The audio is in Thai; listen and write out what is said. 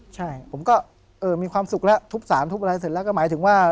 ใช่ผมก็มีความสุขแล้วทุบสารทุบอะไรเสร็จแล้วก็หมายถึงว่า